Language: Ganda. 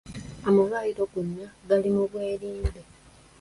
Amalwaliro gonna gali mu bwerinde.